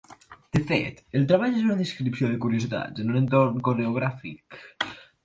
De fet, el treball és una descripció de curiositats en un entorn coreogràfic.